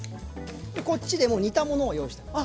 こっちでもう煮たものを用意してます。